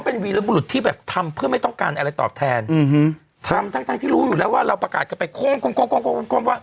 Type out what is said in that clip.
เป็นวีรบุรุษที่แบบทำเพื่อไม่ต้องการอะไรตอบแทนอืมทำทั้งทั้งที่รู้อยู่แล้วว่าเราประกาศกันไปโค้งว่า